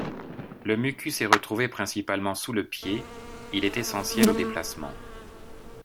Le mucus est retrouvé principalement sous le pied, il est essentiel au déplacement.